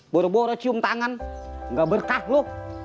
bora bora cium tangan gak berkah lu